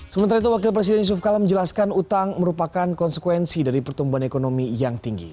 sementara itu wakil presiden yusuf kala menjelaskan utang merupakan konsekuensi dari pertumbuhan ekonomi yang tinggi